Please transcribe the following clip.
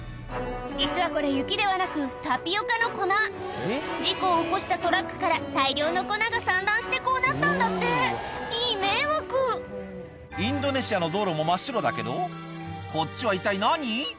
実はこれ雪ではなくタピオカの粉事故を起こしたトラックから大量の粉が散乱してこうなったんだっていい迷惑インドネシアの道路も真っ白だけどこっちは一体何？